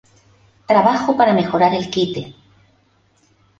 Trabajo para mejorar el quite.